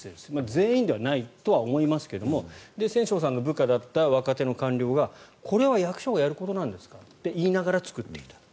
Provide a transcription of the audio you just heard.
全員ではないと思いますが千正さんの部下だった若手の官僚がこれは役所がやることなんですか？って言いながら作っていた。